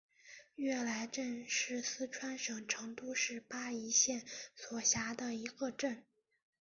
悦来镇是四川省成都市大邑县所辖的一个镇。